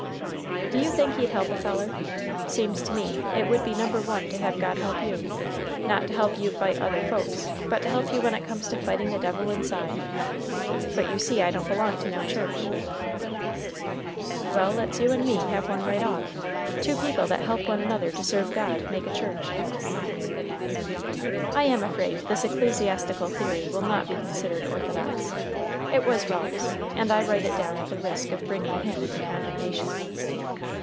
"Do you think he'd help a feller? Seems to me it would be number one to have God help you. Not to help you fight other folks, but to help you when it comes to fighting the devil inside. But you see I don't belong to no church" "Well, let's you and me have one right off. Two people that help one another to serve God make a church." I am afraid this ecclesiastical theory will not be considered orthodox. It was Ralph's, and I write it down at the risk of bringing him into condemnation.